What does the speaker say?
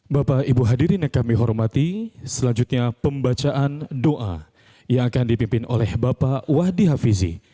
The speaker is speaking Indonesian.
bapak ibu hadirin yang kami hormati selanjutnya pembacaan doa yang akan dipimpin oleh bapak wadi hafizi